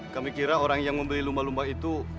kami kira orang yang membeli lumba lumba itu